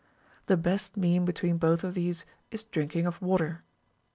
The best mean between both these is drinking of Avater.